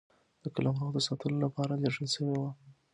د قلمرو د ساتلو لپاره لېږل سوي وه.